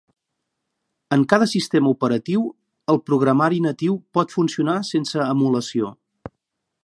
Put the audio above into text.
En cada sistema operatiu, el programari natiu pot funcionar sense emulació.